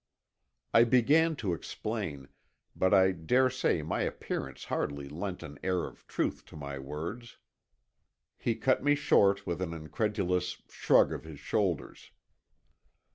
I began to explain, but I daresay my appearance hardly lent an air of truth to my words; he cut me short with an incredulous shrug of his shoulders.